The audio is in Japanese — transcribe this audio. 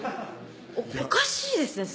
おかしいですね